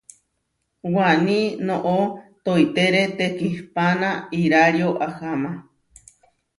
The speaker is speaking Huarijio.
Waní noʼó toitére tekihpana irario aháma.